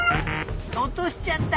おとしちゃった。